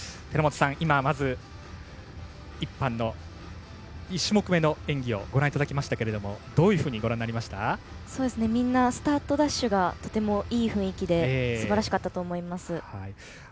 今、まず１班の１種目めの演技をご覧いただきましたがどういうふうにみんなスタートダッシュがとてもいい雰囲気ですばらしかったと思います。